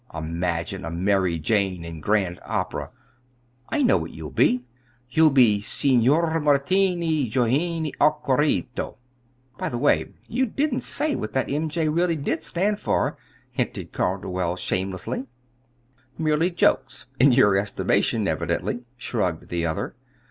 Imagine a Mary Jane in Grand Opera! I know what you'll be. You'll be 'Señor Martini Johnini Arkwrightino'! By the way, you didn't say what that 'M. J.' really did stand for," hinted Calderwell, shamelessly. "'Merely Jokes' in your estimation, evidently," shrugged the other.